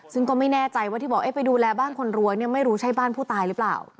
ซึ่งก็ไม่แน่ใจว่าที่บอกไปดูแลบ้านคนรวยเนี่ยไม่รู้ใช่บ้านผู้ตายหรือเปล่า